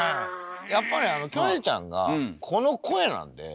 やっぱりあのキョエちゃんがこの声なんで。